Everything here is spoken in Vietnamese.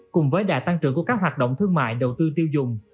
cùng với đà tăng trưởng của các hoạt động thương mại đầu tư tiêu dùng